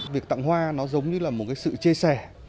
việc tặng hoa nó giống như là một cái sự chia sẻ